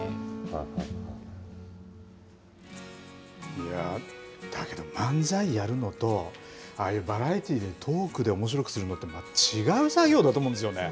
いやぁ、だけど、漫才やるのと、ああいうバラエティでトークでおもしろくするのって、違う作業だと思うんですよね。